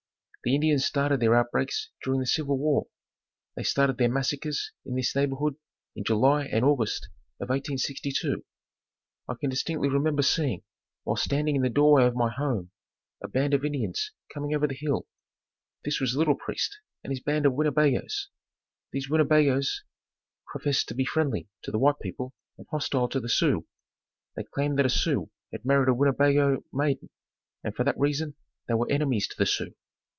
The Indians started their outbreaks during the Civil war. They started their massacres in this neighborhood in July and August of 1862. I can distinctly remember seeing, while standing in the doorway of my home, a band of Indians coming over the hill. This was Little Priest and his band of Winnebagoes. These Winnebagoes professed to be friendly to the white people and hostile to the Sioux. They claimed that a Sioux had married a Winnebago maiden, and for that reason they were enemies to the Sioux.